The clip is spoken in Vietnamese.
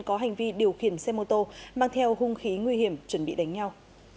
có hành vi điều khiển xe mô tô mang theo hung khí nguy hiểm chuẩn bị đánh nhau